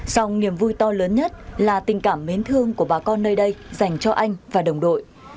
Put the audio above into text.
song niềm vui to lớn nhất là tình cảm mến thương của bà con nơi đây dành cho anh và đồng đội